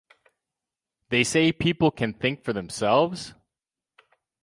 They say people can think for themselves?